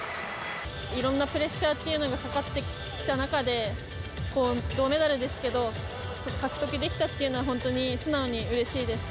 いろんなプレッシャーというのがかかってきた中で、銅メダルですけど、獲得できたっていうのは、本当に素直にうれしいです。